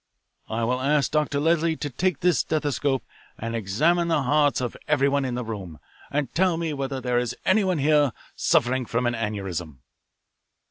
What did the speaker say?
"I will ask Dr. Leslie to take this stethoscope and examine the hearts of everyone in the room and tell me whether there is anyone here suffering from an aneurism."